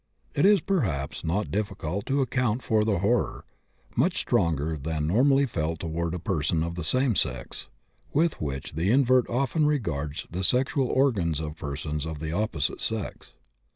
It is, perhaps, not difficult to account for the horror much stronger than that normally felt toward a person of the same sex with which the invert often regards the sexual organs of persons of the opposite sex.